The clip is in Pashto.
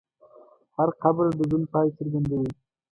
هر قبر د ژوند پای څرګندوي.